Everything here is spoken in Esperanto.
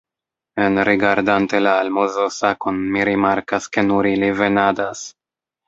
Enrigardante la almozosakon mi rimarkas, ke nur ili venadas.